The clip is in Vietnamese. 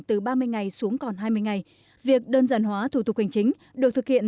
từ ba mươi ngày xuống còn hai mươi ngày việc đơn giản hóa thủ tục hành chính được thực hiện